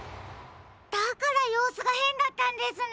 だからようすがへんだったんですね！